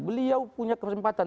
beliau punya kesempatan